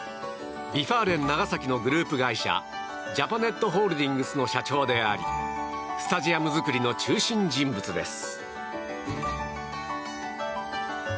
Ｖ・ファーレン長崎のグループ会社ジャパネットホールディングスの社長でありスタジアム造りの中心人物です。